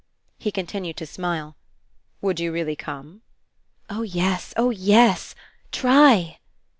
He continued to smile. "Would you really come?" "Oh yes, oh yes. Try."